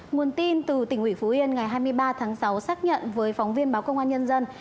nguồn tin từ tỉnh ủy phú yên ngày hai mươi ba tháng sáu xác nhận với phóng viên báo công an nhân dân